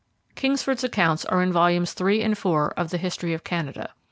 Kingsford's accounts are in volumes iii and iv of the 'History of Canada'.